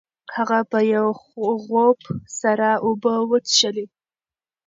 هغه په یو غوپ سره اوبه وڅښلې.